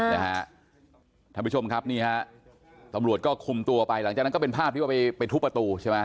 ท่านผู้ชมครับนี่ฮะตำรวจก็คุมตัวไปหลังจากนั้นก็เป็นภาพที่ว่าไปทุบประตูใช่ไหม